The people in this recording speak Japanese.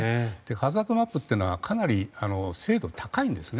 ハザードマップっていうのはかなり精度が高いんですね。